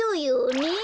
ねえ。